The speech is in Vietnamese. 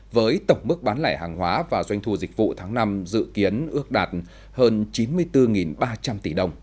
với tổng mức bán lẻ hàng hóa và doanh thu dịch vụ tháng năm dự kiến ước đạt hơn chín mươi bốn ba trăm linh tỷ đồng